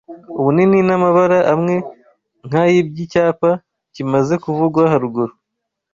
ubunini n'amabara amwe nk'ay'iby'icyapa kimaze kuvugwa haruguru